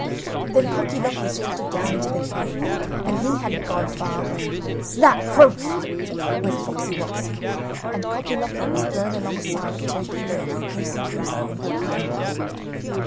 Then Cocky locky strutted down into the cave and he hadn't gone far when "Snap, Hrumph!" went Foxy woxy and Cocky locky was thrown alongside of Turkey lurkey, Goosey poosey and Ducky daddles.